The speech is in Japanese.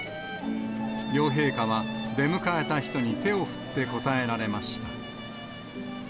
両陛下は出迎えた人に手を振って応えられました。